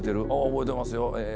「ああ覚えてますよ。